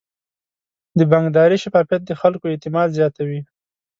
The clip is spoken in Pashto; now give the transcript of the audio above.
د بانکداري شفافیت د خلکو اعتماد زیاتوي.